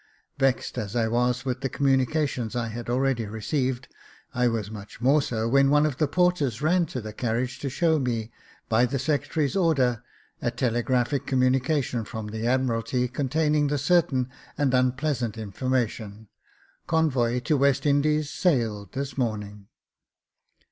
Vexed as I was with the communications I had already received, I was much more so when one of the porters ran to the carriage to show me, by the secretary's order, a telegraphic communication from the Admiralty, containing the certain and unpleasant information, "Convoy to West Indies sailed this morning."